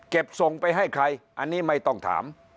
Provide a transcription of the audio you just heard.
ส่งไปให้ใครอันนี้ไม่ต้องถาม